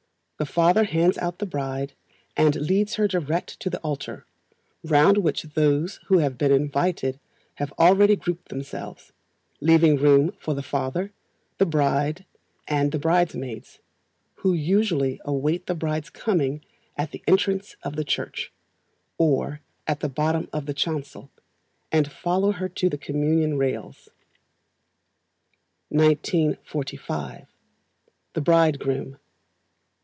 The father hands out the bride, and leads her direct to the altar, round which those who have been invited have already grouped themselves, leaving room for the father, the bride, and the bridesmaids, who usually await the bride's coming at the entrance to the church, or at the bottom of the chancel, and follow her to the communion rails. 1945. The Bridegroom.